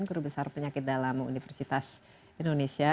guru besar penyakit dalam universitas indonesia